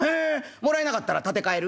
もらえなかったら立て替える？」。